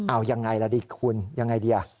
อ้าวยังไงล่ะดีคุณยังไงดีอ่ะ